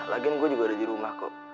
lagian gue juga ada di rumah kok